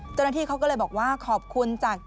เจ้าหน้าที่เขาก็เลยบอกว่าขอบคุณจาก